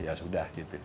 ya sudah gitu